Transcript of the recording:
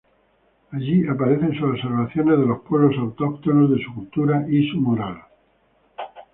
Allí aparecen sus observaciones de los pueblos autóctonos, de su cultura y su moral.